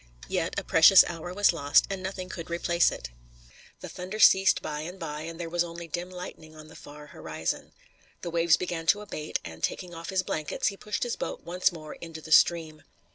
Yet a precious hour was lost, and nothing could replace it. The thunder ceased by and by and there was only dim lightning on the far horizon. The waves began to abate, and, taking off his blankets, he pushed his boat once more into the stream.